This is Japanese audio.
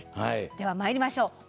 では、まいりましょう。